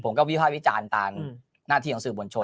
ผมก็วิภาพวิจารณ์ตามอืมหน้าที่ของสื่อบรรชน